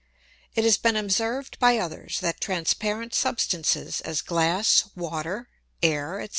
_ It has been observed by others, that transparent Substances, as Glass, Water, Air, &c.